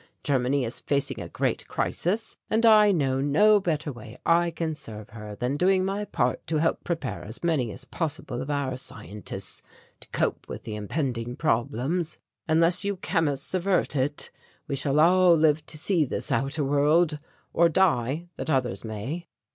Germany is facing a great crisis, and I know no better way I can serve her than doing my part to help prepare as many as possible of our scientists to cope with the impending problems. Unless you chemists avert it, we shall all live to see this outer world, or die that others may."